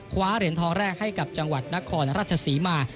คว้าเหรียญทองแรกให้กับจังหวัดนครราชศรีมา